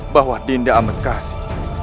bahwa dinda ametkasi